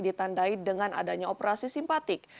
ditandai dengan adanya operasi simpatik